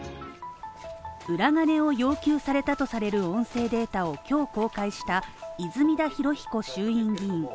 裏金を要求されたとされる音声データを今日公開した泉田裕彦衆院議員